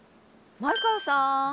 前川さん。